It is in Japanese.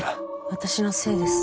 私のせいです。